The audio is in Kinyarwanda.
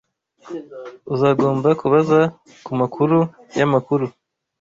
Uzagomba kubaza kumakuru yamakuru.